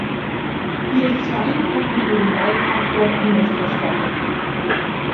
Wie es scheint, hat man Ihren Beitrag dort anders verstanden.